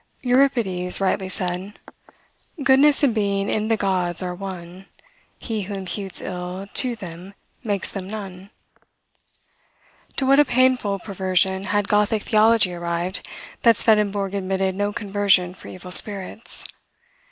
Euripides rightly said, "Goodness and being in the gods are one; He who imputes ill to them makes them none." To what a painful perversion had Gothic theology arrived, that Swedenborg admitted no conversion for evil spirits!